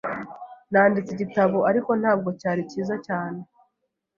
Nanditse igitabo, ariko ntabwo cyari cyiza cyane.